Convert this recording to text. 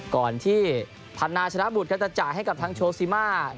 ก่อนที่ธนาชนะบุตรครับจะจ่ายให้กับทางโชซิมา